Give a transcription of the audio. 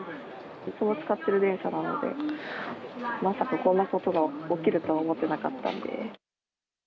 いつも使ってる電車なので、まさかこんなことが起きるとは思ってなかったんで。